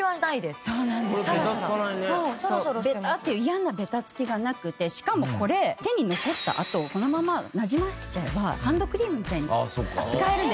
ベタっていう嫌なベタつきがなくてしかもこれ手に残ったあとこのままなじませちゃえばハンドクリームみたいに使えるんです。